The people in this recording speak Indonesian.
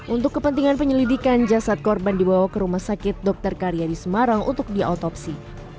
untuk kepentingan penyelidikan jasad korban dibawa ke rumah sakit dokter karya di semarang untuk diotopsi